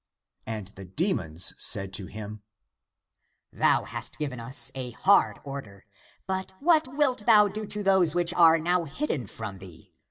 And the demons said to him, " Thou hast given us a hard order. But what wilt thou do to those which are now hidden from thee?